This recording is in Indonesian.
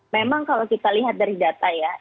memang kalau kita lihat dari data ya